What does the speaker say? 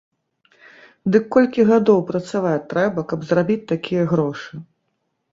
Дык колькі гадоў працаваць трэба, каб зарабіць такія грошы?